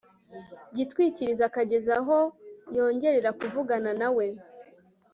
gitwikirizo akageza aho yongerera kuvugana nawe